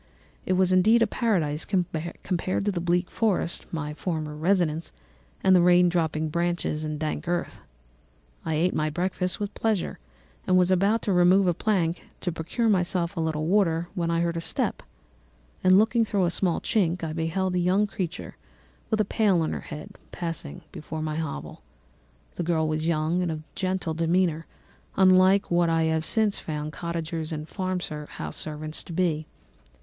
It was indeed a paradise compared to the bleak forest, my former residence, the rain dropping branches, and dank earth. I ate my breakfast with pleasure and was about to remove a plank to procure myself a little water when I heard a step, and looking through a small chink, I beheld a young creature, with a pail on her head, passing before my hovel. The girl was young and of gentle demeanour, unlike what I have since found cottagers and farmhouse servants to be.